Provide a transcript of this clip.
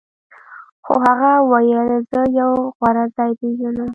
خو هغه وویل زه یو غوره ځای پیژنم